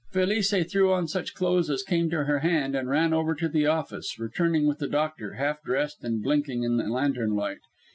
Felice threw on such clothes as came to her hand and ran over to the office, returning with the doctor, half dressed and blinking in the lantern light.